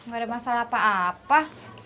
gak ada masalah apa apa